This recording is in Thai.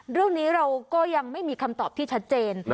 เรื่องนี้เราก็ยังไม่มีคำตอบที่ชัดเจน